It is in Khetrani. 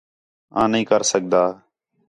آں نھیں کر سڳدا